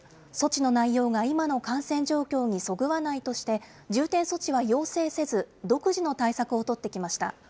措置の内容が今の感染状況にそぐわないとして、重点措置は要請せず、独自の対策を取ってきました。